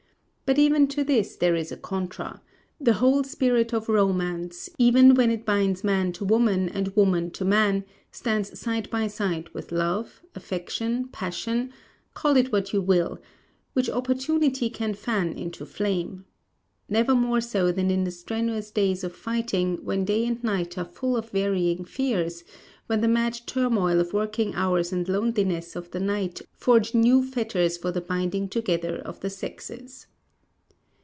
But even to this there is a contra; the whole spirit of romance, even when it binds man to woman and woman to man, stands side by side with love, affection, passion call it what you will which opportunity can fan into flame. Never more so than in the strenuous days of fighting, when day and night are full of varying fears when the mad turmoil of working hours and loneliness of the night forge new fetters for the binding together of the sexes.